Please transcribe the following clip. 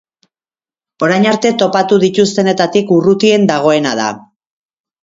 Orain arte topatu dituztenetatik urrutien dagoena da.